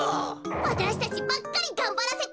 わたしたちばっかりがんばらせて。